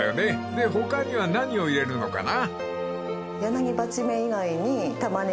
［で他には何を入れるのかな？］